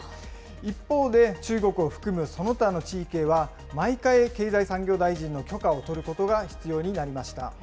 一方で中国を含むその他の地域へは、毎回、経済産業大臣の許可を取ることが必要になりました。